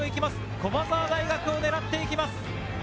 駒澤大学をねらっていきます。